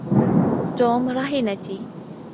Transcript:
توم رهينتي.